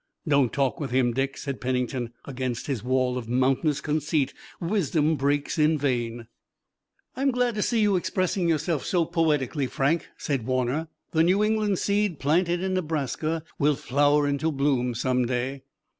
"Don't talk with him, Dick," said Pennington. "Against his wall of mountainous conceit wisdom breaks in vain." "I'm glad to see you expressing yourself so poetically, Frank," said Warner. "The New England seed planted in Nebraska will flower into bloom some day."